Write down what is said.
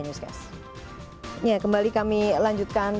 namun tidak ada sepuluh orang yang cukup baik karena mereka sisanya indaga